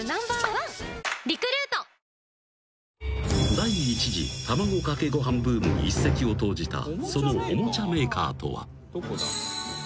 ［第１次卵かけご飯ブームに一石を投じたそのおもちゃメーカーとは］